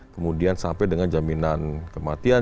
kemudian sampai dengan jaminan kematian